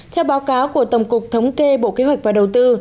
theo báo cáo của tổng cục thống kê bộ kế hoạch và đầu tư